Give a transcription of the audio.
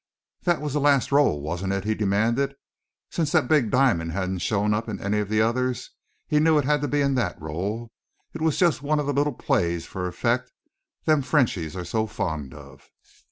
"That was the last roll, wasn't it?" he demanded. "Since that big diamond hadn't shown up in any of the others, he knew it had to be in that roll. It was just one of the little plays for effect them Frenchies are so fond of."